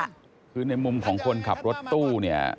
คือในมุมของคนขับรถตู้